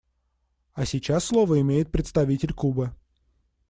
А сейчас слово имеет представитель Кубы.